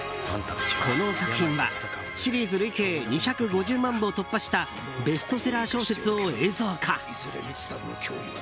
この作品は、シリーズ累計２５０万部を突破したベストセラー小説を映像化。